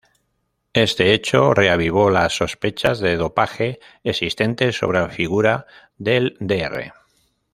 Este hecho reavivó las sospechas de dopaje existentes sobre la figura del Dr.